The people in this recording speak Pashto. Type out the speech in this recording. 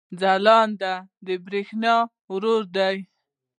ځلاند د برېښنا ورور دی